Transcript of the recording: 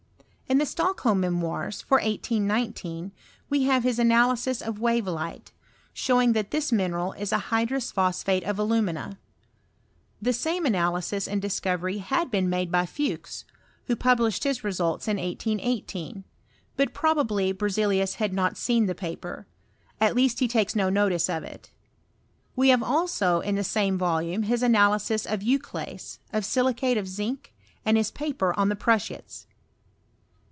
In the Stockholm Meraoire, for 1819, we have his analysis of wavellite, showing; that this minerEd is a hydrous phosphate of alumina. The same analysis and discovery had been made by Fuchs, who pub lished his results in 1818; but probably Berzelius had not seen the paper; at least be takes no notice of it. We have also in the same volume his analysis of euclase, of silicate of zinc, and hia paper on the pnissiates.